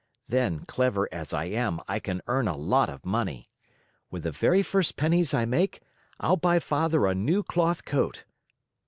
Then, clever as I am, I can earn a lot of money. With the very first pennies I make, I'll buy Father a new cloth coat.